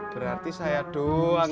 berarti saya doang ya